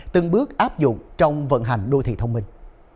từng bước áp dụng trong vận hành đô thị thông minh